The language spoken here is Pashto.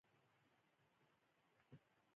دوی په لاره کې د آیس کریم او ډوډۍ لپاره تم شوي وو